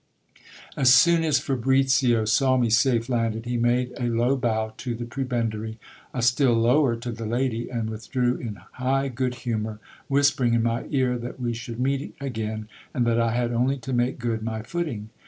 As soon as Fabricio saw me safe landed, he made a low bow to the prebend ary, a still lower to the lady, and withdrew in high good humour, whispering in my ear that we should meet again, and that I had only to make good my footing.